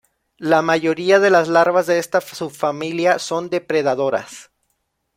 La mayoría de las larvas de esta subfamilia son depredadoras.